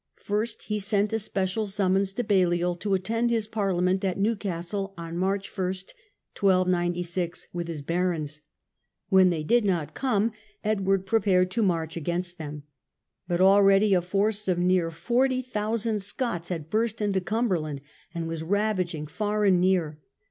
First he sent a special sum mons to Balliol to attend his parliament at Newcastle on March i, 1296. with his barons. When they did not come, Edward prepared to march against them. But abready a force of near forty thousand Scots had burst into Cumberland, and was ravaging far and near.